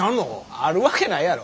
あるわけないやろ。